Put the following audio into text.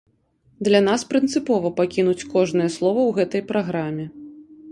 Для нас прынцыпова пакінуць кожнае слова ў гэтай праграме.